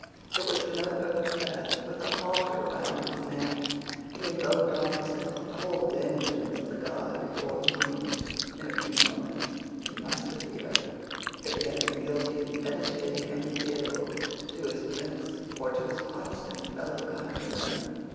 It was to no purpose that, with the halter round his neck, he invoked on himself the whole vengeance of the God before whom, in a few moments, he must appear, if he had been guilty of meditating any ill to his prince or to his Protestant fellow countrymen.